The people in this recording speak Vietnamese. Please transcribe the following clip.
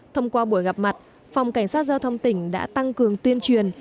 thông qua buổi gặp mặt phòng cảnh sát giao thông tỉnh đã tăng cường tuyên truyền